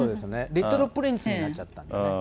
リトル・プリンスになっちゃったんですね。